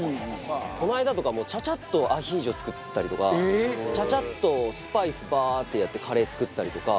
この間とかもチャチャッとアヒージョ作ったりとかチャチャッとスパイスバーッてやってカレー作ったりとか。